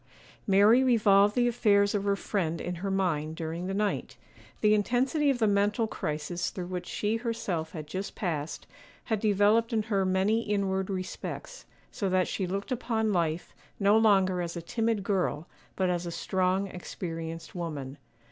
MARY revolved the affairs of her friend in her mind during the night. The intensity of the mental crisis through which she herself had just passed, had developed her in many inward respects, so that she looked upon life no longer as a timid girl, but as a strong, experienced woman.